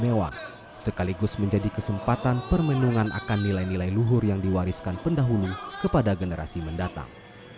mewah sekaligus menjadi kesempatan permenungan akan nilai nilai luhur yang diwariskan pendahulu kepada generasi mendatang